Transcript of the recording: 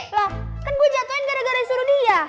lah kan gue jatohin gara gara yang disuruh dia